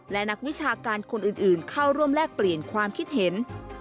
และนักวิชาการคนอื่นเข้าร่วมแลกเปลี่ยนความคิดเห็น